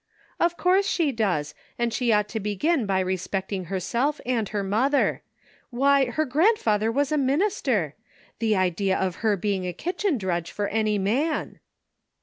"Of course she does, and she ought to begin by respecting herself and her mother. Why, her grandfather was a minister ! The idea of her being a kitchen drudge for any man."